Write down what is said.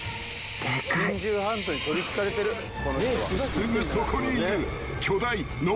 ［すぐそこにいる］